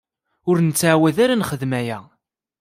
Ur nettɛawad ara ad nexdem aya.